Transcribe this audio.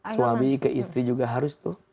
suami ke istri juga harus tuh